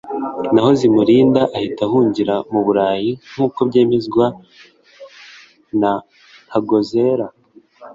naho Zimurinda ahita ahungira mu Burayi nk’uko byemezwa na Ntagozera